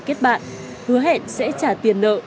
kết bạn hứa hẹn sẽ trả tiền nợ